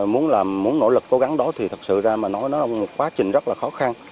muốn là muốn nỗ lực cố gắng đó thì thật sự ra mà nói nó là một quá trình rất là khó khăn